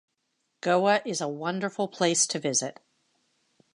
Goa is a wonderful place to visit.